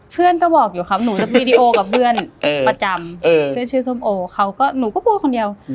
เพื่อนก็บอกอยู่ครับหนูจะวีดีโอกับเพื่อนประจำเพื่อนชื่อส้มโอเขาก็หนูก็พูดคนเดียว